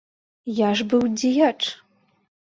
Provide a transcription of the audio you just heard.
Я ж быў дзеяч!